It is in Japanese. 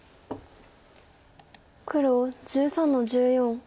黒１３の十四。